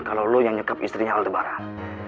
kalo lo yang nyekap istrinya aldebaran